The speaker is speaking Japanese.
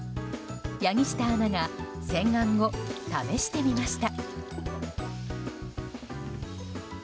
柳下アナが洗顔後試してみました。